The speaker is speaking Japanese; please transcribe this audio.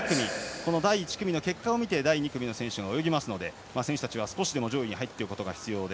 この第１組の結果を見て第２組の選手が泳ぎますので、選手たちは少しでも上位に入ることが必要。